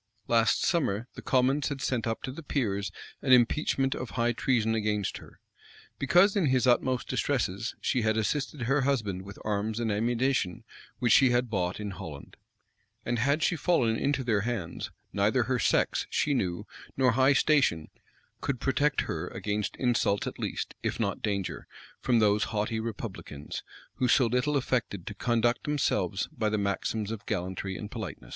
Last summer, the commons had sent up to the peers an impeachment of high treason against her; because, in his utmost distresses, she had assisted her husband with arms and ammunition which she had bought in Holland.[] And had she fallen into their hands, neither her sex, she knew, nor high station, could protect her against insults at least, if not danger, from those haughty republicans, who so little affected to conduct themselves by the maxims of gallantry and politeness.